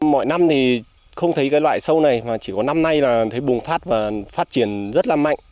mọi năm thì không thấy cái loại sâu này chỉ có năm nay là thấy bùng phát và phát triển rất là mạnh